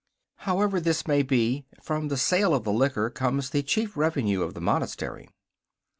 However this may be, from the sale of the liquor comes the chief revenue of the monastery.